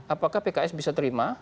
apakah pks bisa terima